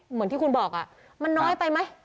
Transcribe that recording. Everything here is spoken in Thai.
เหมือนที่คุณบอกมันน้อยไปไหม